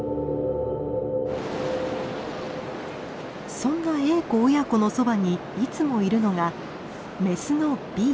そんなエーコ親子のそばにいつもいるのがメスのＢ。